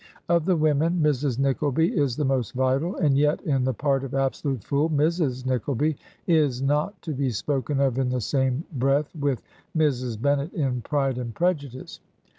Of the women, Mrs. Nickleby is the most vital, and yet in the part of absolute fool Mrs. Nickleby is not to be spoken of in the same breath with Mrs. Bennet in "Pride and Preju dice."